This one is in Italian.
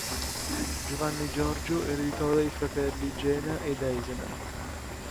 Giovanni Giorgio ereditò dai fratelli Jena ed Eisenach.